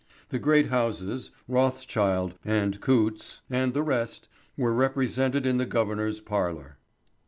The great houses, Rothschild, and Coutts, and the rest, were represented in the governor's parlour.